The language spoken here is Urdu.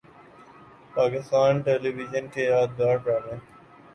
پاکستان ٹیلی وژن کے یادگار ڈرامے